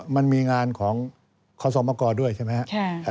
มันมีงานของคอสโฮมะกอดด้วยใช่ไหม